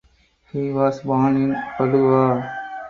He was born in Padua.